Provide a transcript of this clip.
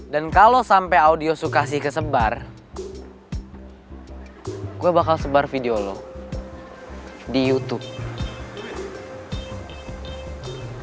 dan kalau sampe audio sukasi kesebar gue bakal sebar video lo di youtube